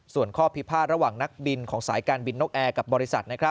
ส่วนข้อพิพาทระหว่างนักบินของสายการบินนกแอร์กับบริษัท